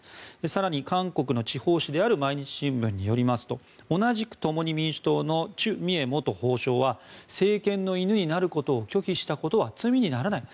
更に韓国の地方紙である毎日新聞によりますと同じく共に民主党のチュ・ミエ元法相は政権の犬になることを拒否したことは罪にならない。